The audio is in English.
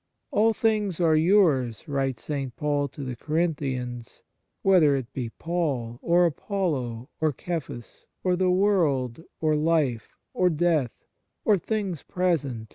" All things are yours," writes St. Paul to the Corinthians, " whether it be Paul, or Apollo, or Cephas, or the world, or life, or death, or things 1 Matt.